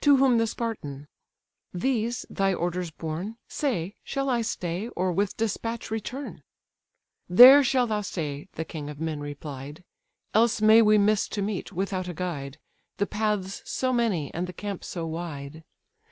To whom the Spartan: "These thy orders borne, Say, shall I stay, or with despatch return?" "There shall thou stay, (the king of men replied,) Else may we miss to meet, without a guide, The paths so many, and the camp so wide.